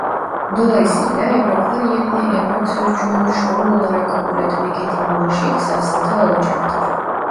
Dolayısıyla evraklar yerine evrak sözcüğünü çoğul olarak kabul etmek etimolojik safsata olacaktır.